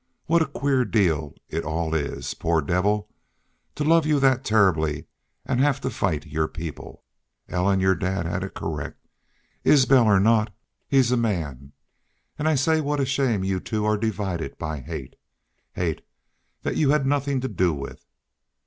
What a queer deal it all is! Poor devil! To love you thet turribly an' hev to fight your people! Ellen, your dad had it correct. Isbel or not, he's a man.... An' I say what a shame you two are divided by hate. Hate thet you hed nothin' to do with."